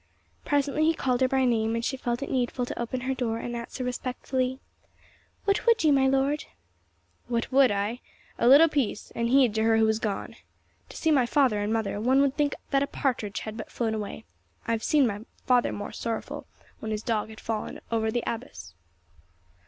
Presently he called her by name, and she felt it needful to open her door and answer, respectfully, "What would you, my lord?" "What would I? A little peace, and heed to her who is gone. To see my father and mother one would think that a partridge had but flown away. I have seen my father more sorrowful when his dog had fallen over the abyss."